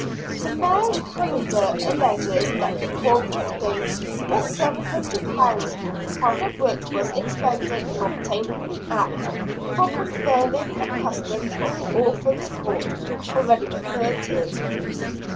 The Mayor's Kalendar alleges that the corporate gain was £700, part of which was expended in obtaining the Act for confirming the customs of the Orphans' Court (already referred to).